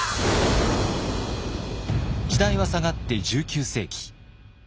時代は下がって１９世紀。